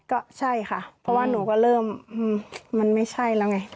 ก็ใช่ค่ะเพราะว่าหนูก็เริ่มมันไม่ใช่แล้วไง